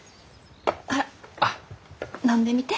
ほら飲んでみて。